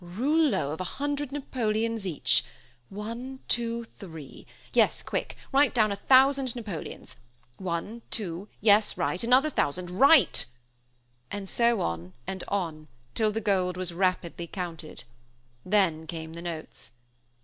"Rouleaux of a hundred Napoleons each. One, two, three. Yes, quick. Write down a thousand Napoleons. One, two; yes, right. Another thousand, write!" And so on and on till the gold was rapidly counted. Then came the notes.